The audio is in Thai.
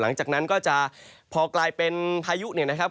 หลังจากนั้นก็จะพอกลายเป็นพายุเนี่ยนะครับ